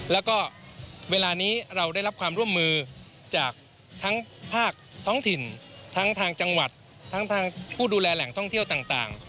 แล้วก็เวลานี้เราได้รับความร่วมมือจากทั้งภาคท้องถิ่นทั้งทางจังหวัดทั้งทางผู้ดูแลแหล่งท่องเที่ยวต่าง